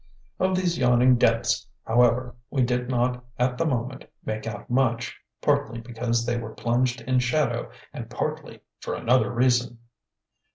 Of these yawning depths, however, we did not at the moment make out much, partly because they were plunged in shadow and partly for another reason.